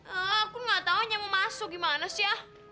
aku gak tau nyamu masuk gimana sih ya